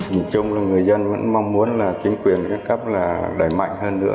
nhìn chung là người dân vẫn mong muốn là chính quyền các cấp là đẩy mạnh hơn nữa